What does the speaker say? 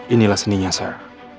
inilah seninya sir